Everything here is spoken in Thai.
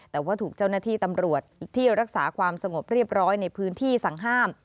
แต่ว่าถูกเจ้าหน้าที่ตำรวจที่รักษาความสงบเรียบร้อยในพื้นที่สั่งห้าม